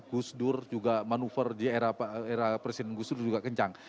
gus dur juga manuver di era presiden gus dur juga kencang